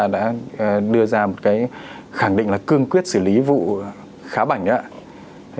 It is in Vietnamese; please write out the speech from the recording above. đã đưa ra một cái khẳng định là cương quyết xử lý vụ khá bảnh ạ